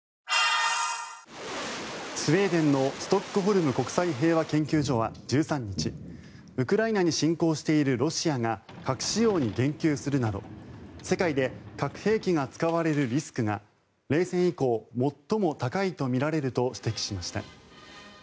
スウェーデンのストックホルム国際平和研究所は１３日、ウクライナに侵攻しているロシアが核使用に言及するなど世界で核兵器が使われるリスクが冷戦以降、最も高いとみられると指摘しました。